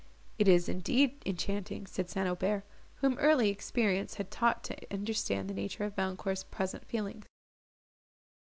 "It is indeed enchanting," said St. Aubert, whom early experience had taught to understand the nature of Valancourt's present feelings.